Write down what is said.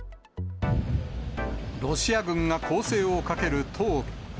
ロシア軍が攻勢をかける東部。